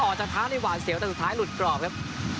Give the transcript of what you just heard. ออกจากเท้านี่หวาดเสียวแต่สุดท้ายหลุดกรอบครับ